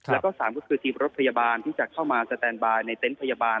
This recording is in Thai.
แล้วก็๓ก็คือทีมรถพยาบาลที่จะเข้ามาสแตนบายในเต็นต์พยาบาล